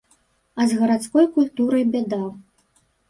А з гарадской культурай бяда.